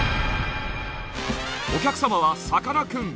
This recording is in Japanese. お客様はさかなクン。